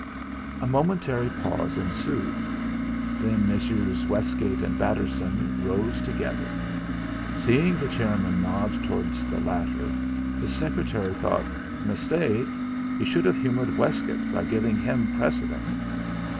A momentary pause ensued. Then Messieurs Westgate and Batterson rose together. Seeing the chairman nod towards the latter, the secretary thought: 'Mistake! He should have humoured Westgate by giving him precedence.'